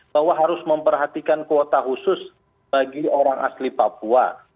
bahwa harus memperhatikan kuota khusus bagi orang asli papua